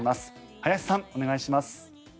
林さん、お願いします。